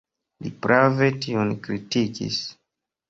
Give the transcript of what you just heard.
Li prave tion kritikis.